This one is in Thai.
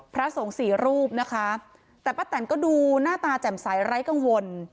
พระสงฆ์สี่รูปนะคะแต่ป้าแตนก็ดูหน้าตาแจ่มใสไร้กังวล